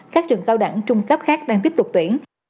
các trường cao đẳng trung cấp khác đang tiếp tục tuyển